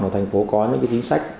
thành phố có những chính sách